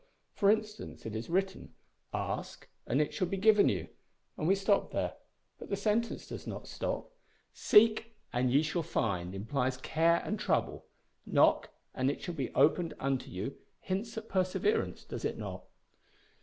For instance, it is written, `Ask, and it shall be given you,' and we stop there, but the sentence does not stop: `Seek, and ye shall find' implies care and trouble; `Knock, and it shall be opened unto you' hints at perseverance, does it not?"